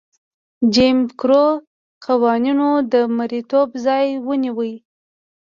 جیم کرو قوانینو د مریتوب ځای ونیو.